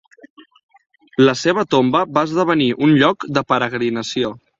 La seva tomba va esdevenir un lloc de peregrinació.